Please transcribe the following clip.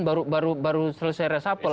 ya kan baru selesai resapel